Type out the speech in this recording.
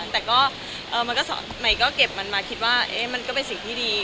แต่ก็ใหม่ก็เก็บมันมาคิดว่ามันก็เป็นสิ่งที่ดี